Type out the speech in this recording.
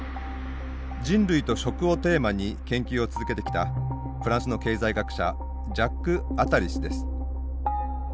「人類と食」をテーマに研究を続けてきたフランスの経済学者ジャック・アタリ氏です。